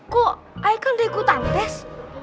kok i kan udah ikutan tes